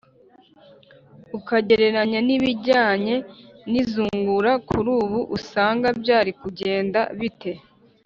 ukagereranya n’ibijyanye n’izungura kuri ubu usanga byari kugenda bite?